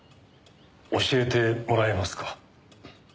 教えてもらえますか？